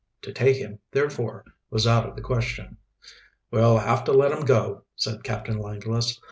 To take him, therefore, was out of the question. "We'll have to let him go," said Captain Langless.